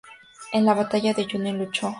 En la Batalla de Junín luchó junto a Necochea.